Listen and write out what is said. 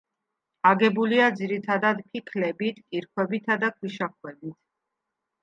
აგებულია ძირითადად ფიქლებით, კირქვებითა და ქვიშაქვებით.